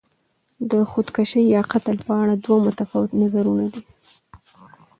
د خودکشي یا قتل په اړه دوه متفاوت نظرونه دي.